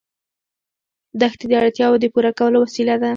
دښتې د اړتیاوو د پوره کولو وسیله ده.